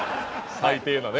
最低なね。